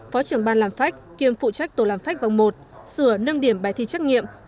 phó trưởng ban làm phách kiêm phụ trách tổ làm phách vòng một sửa nâng điểm bài thi trắc nghiệm